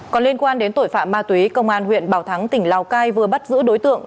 còn liên quan đến tội phạm ma túy công an huyện bảo thắng tỉnh lào cai vừa bắt giữ đối tượng